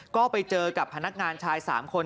ก็ไปเจอกับพนักงานชาย๓คน